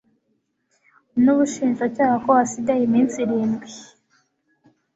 n ubushinjacyaha ko hasigaye iminsi irindwi